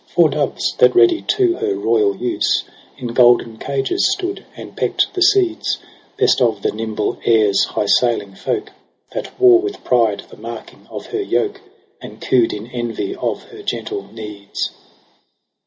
Four doves, that ready to her royal use In golden cages stood and peck'd the seeds : Best of the nimble air's high sailing folk That wore with pride the marking of her yoke, And cooed in envy of her gentle needs.